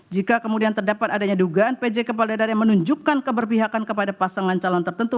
jika kemudian terdapat adanya dugaan pj kepala daerah yang menunjukkan keberpihakan kepada pasangan calon tertentu